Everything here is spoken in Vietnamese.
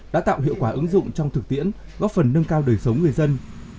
đã tạo hiệu quả ứng dụng trong thực tiễn góp phần nâng cao đời sống người dân